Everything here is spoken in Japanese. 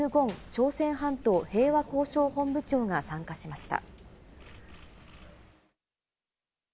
朝鮮半島平和交渉本部長が参加しました。